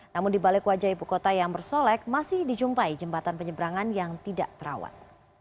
namun dibalik wajah ibu kota yang bersolek masih dijumpai jembatan penyebrangan yang tidak terawat